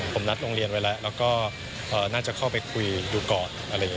ผมนัดโรงเรียนไว้แล้วแล้วก็น่าจะเข้าไปคุยดูก่อน